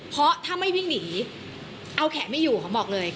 เพราะถ้าไม่วิ่งหนีเอาแขกไม่อยู่เขาบอกเลย